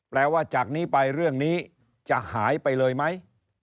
ว่าจากนี้ไปเรื่องนี้จะหายไปเลยไหม